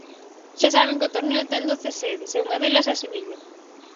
Xa saben que o torneo ten doce sedes, e unha delas é Sevilla.